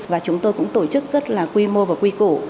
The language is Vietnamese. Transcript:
và chúng tôi cũng tổ chức rất là quy mô và quy củ